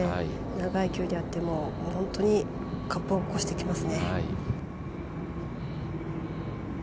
長い距離であっても本当にカップを越してきますね。